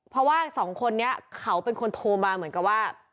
เพราะว่าสองคนนี้เขาเป็นคนโทรมาเหมือนกับว่า